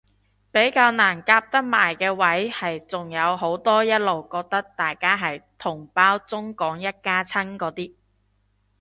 比較難夾得埋嘅位係仲有好多一路覺得大家係同胞中港一家親嗰啲